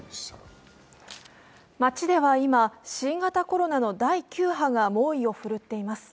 街では新型コロナウイルスの第９波が猛威を振るっています。